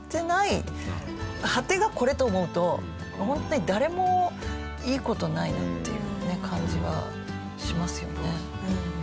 果てがこれと思うとホントに誰もいい事ないなっていう感じはしますよね。